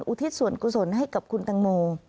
อุทิศส่วนกุศลให้กับคุณตังโม